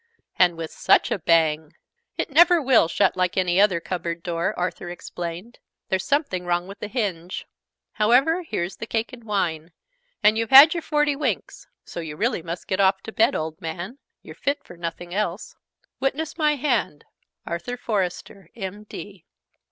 And with such a bang! "It never will shut like any other cupboard door," Arthur explained. "There's something wrong with the hinge. However, here's the cake and wine. And you've had your forty winks. So you really must get off to bed, old man! You're fit for nothing else. Witness my hand, Arthur Forester, M.D."